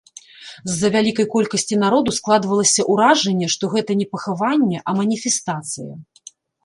З-за вялікай колькасці народу складвалася ўражанне, што гэта не пахаванне, а маніфестацыя.